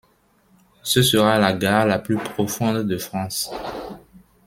Ce sera la gare la plus profonde de France.